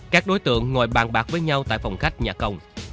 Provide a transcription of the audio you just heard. các đối tượng ngồi bàn bạc với nhau tại phòng khách nhà công